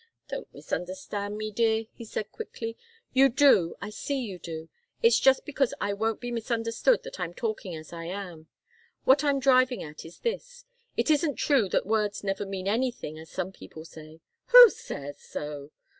"Don't misunderstand me, dear," he said, quickly. "You do I see you do. It's just because I won't be misunderstood that I'm talking as I am. What I'm driving at is this. It isn't true that words never mean anything, as some people say " "Who says so?